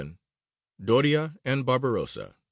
VII. DORIA AND BARBAROSSA.